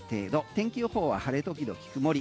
天気予報は晴れ時々曇り。